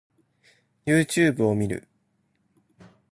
Youtube を見る